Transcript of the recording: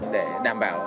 để đảm bảo